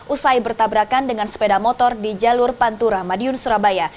usai bertabrakan dengan sepeda motor di jalur pantura madiun surabaya